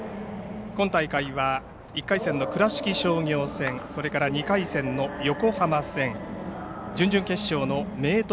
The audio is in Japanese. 今大会は１回戦の倉敷商業戦そして２回戦の横浜戦準々決勝の明徳